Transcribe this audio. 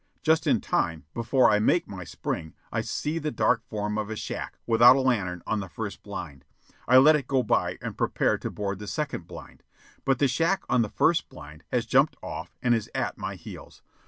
Just in time, before I make my spring, I see the dark form of a shack, without a lantern, on the first blind. I let it go by, and prepare to board the second blind. But the shack on the first blind has jumped off and is at my heels.